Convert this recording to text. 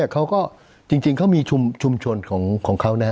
เขาก็จริงเขามีชุมชนของเขานะ